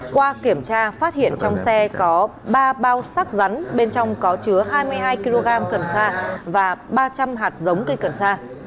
qua kiểm tra phát hiện trong xe có ba bao sắc rắn bên trong có chứa hai mươi hai kg cần sa và ba trăm linh hạt giống cây cần sa